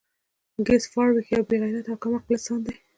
ګس فارویک یو بې غیرته او کم عقل انسان دی